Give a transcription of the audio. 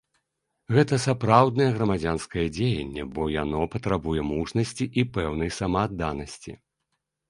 Гэта сапраўднае грамадзянскае дзеянне, бо яно патрабуе мужнасці і пэўнай самаадданасці.